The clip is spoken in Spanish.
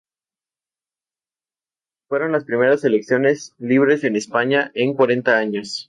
Fueron las primeras elecciones libres en España en cuarenta años.